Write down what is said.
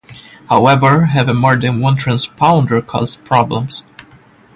However, having more than one transponder causes problems.